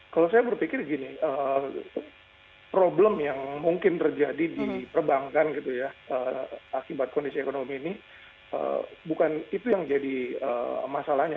kalau saya berpikir gini problem yang mungkin terjadi di perbankan gitu ya akibat kondisi ekonomi ini bukan itu yang jadi masalahnya